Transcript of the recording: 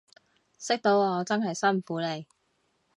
識到我真係辛苦你